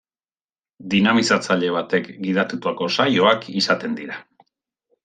Dinamizatzaile batek gidatutako saioak izaten dira.